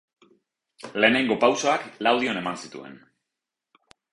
Lehenengo pausoak Laudion eman zituen.